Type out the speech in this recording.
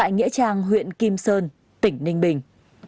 nghĩa trang huyện kim sơn tỉnh ninh bình